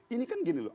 ini kan gini loh